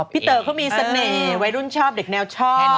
เต๋อเขามีเสน่ห์วัยรุ่นชอบเด็กแนวชอบ